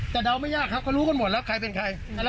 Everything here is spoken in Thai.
แต่เดาไม่ยากครับเขารู้กันหมดแล้วใครเป็นใคร